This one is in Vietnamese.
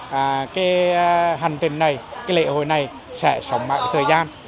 và cái hành trình này cái lễ hội này sẽ sống mãi với thời gian